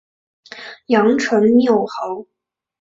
阳城缪侯。